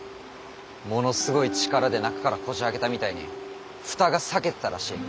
ものすごい力で中からこじあけたみたいに蓋が裂けてたらしい。